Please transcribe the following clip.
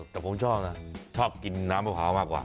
แต่ผมชอบนะชอบกินน้ำมะพร้าวมากกว่า